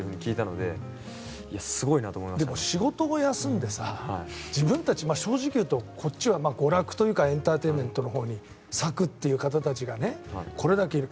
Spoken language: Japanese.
でも仕事も休んでさ自分たちは正直言うとこっちは娯楽というかエンターテインメントのほうにさくという方たちがこれだけいる。